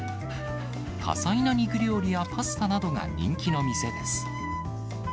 多彩な肉料理やパスタなどが人気の店です。